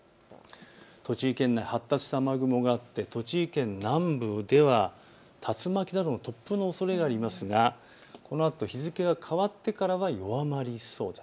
栃木県内、発達した雨雲があって栃木県南部では竜巻などの突風のおそれがありますがこのあと日付が変わってからは弱まりそうです。